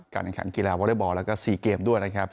การแข่งขันกีฬาวอเตอร์บอร์แล้วก็สี่เกมด้วยนะครับ